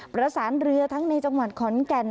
ประสานเรือทั้งในจังหวัดขอนแก่น